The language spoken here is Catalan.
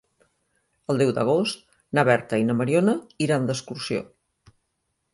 El deu d'agost na Berta i na Mariona iran d'excursió.